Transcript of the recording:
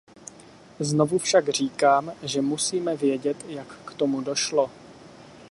Znovu však říkám, že musíme vědět, jak k tomu došlo.